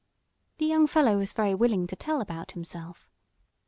The young fellow was very willing to tell about himself.